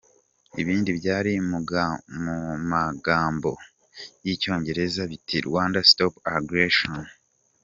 Ibindi byari mu magambo y’icyongereza biti: "Rwanda Stop Agression".